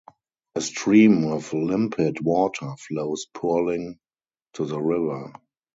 A stream of limpid water flows purling to the river.